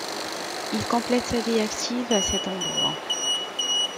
Il complète sa vie active à cet endroit.